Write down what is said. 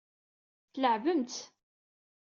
Tleɛɛbem-tt.